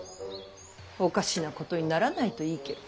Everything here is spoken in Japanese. おかしなことにならないといいけど。